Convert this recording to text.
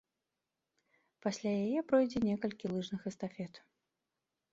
Пасля яе пройдзе некалькі лыжных эстафет.